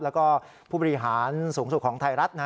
แล้วก็ผู้บริหารสูงสุดของไทยรัฐ